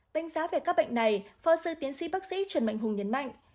bánh giá về các bệnh này phó giáo sư tiến sĩ bác sĩ trần mạnh hùng nhấn mạnh